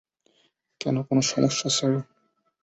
কেন, কোনও সমস্যা, স্যার?